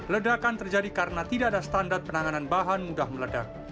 ledakan terjadi karena tidak ada standar penanganan bahan mudah meledak